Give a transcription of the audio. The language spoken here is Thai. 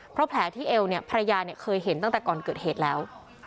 เพราะแผลที่เอวเนี่ยภรรยาเนี่ยเคยเห็นตั้งแต่ก่อนเกิดเหตุแล้ว